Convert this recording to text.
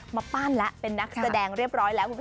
มาปั้นแล้วเป็นนักแสดงเรียบร้อยแล้ว